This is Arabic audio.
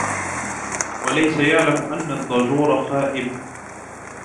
وَلَيْسَ يَعْلَمُ أَنَّ الضَّجُورَ خَائِبٌ